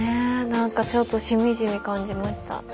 何かちょっとしみじみ感じました。